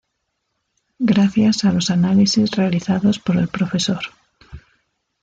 Gracias a los análisis realizados por el Prof.